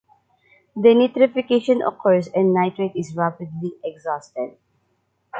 Denitrification occurs and nitrate is rapidly exhausted.